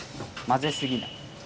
混ぜすぎない。